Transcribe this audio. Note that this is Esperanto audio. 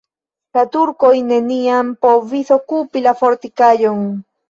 La turkoj neniam povis okupi la fortikaĵon.